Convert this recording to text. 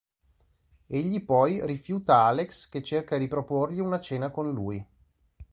Egli poi rifiuta Alex che cerca di proporgli una cena con lui.